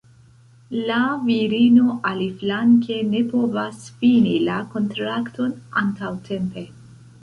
La virino aliflanke ne povas fini la kontrakton antaŭtempe.